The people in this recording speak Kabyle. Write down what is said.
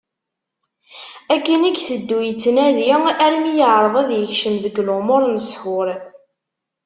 Akken i iteddu yettnadi armi yeεreḍ ad yekcem deg lumuṛ n ssḥur.